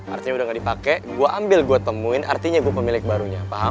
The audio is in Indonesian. artinya udah gak dipakai gue ambil gue temuin artinya gue pemilik barunya paham